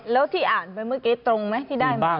แล้วที่อ่านไปเมื่อกี้ตรงไหมที่ได้มา